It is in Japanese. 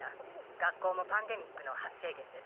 学校もパンデミックのはっ生げんです。